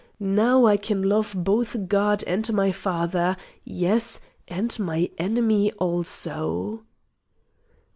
Now I can love both God and my father yes, and my enemy also."